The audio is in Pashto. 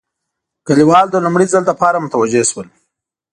کلیوال د لومړي ځل لپاره متوجه شول.